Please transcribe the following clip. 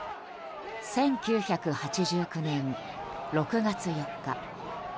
１９８９年６月４日。